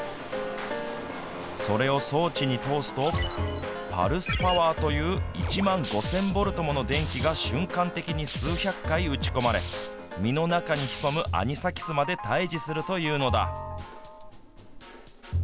それを装置に通すとパルスパワーという１万５０００ボルトもの電気が瞬間的に数百回打ち込まれ身の中に潜むアニサキスまで退治するというのだ。